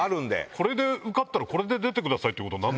これで受かったらこれで出てくださいってなる。